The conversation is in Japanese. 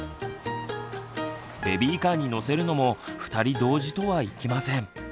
ベビーカーに乗せるのも２人同時とはいきません。